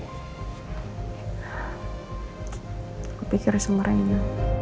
aku pikir sama rena